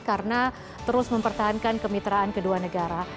karena terus mempertahankan kemitraan kedua negara